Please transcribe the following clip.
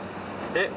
えっ？